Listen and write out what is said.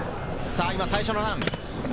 最初のラン。